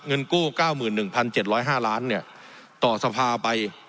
เงินกู้๙๑๗๐๕ล้านต่อสภาไป